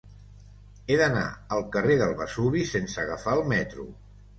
He d'anar al carrer del Vesuvi sense agafar el metro.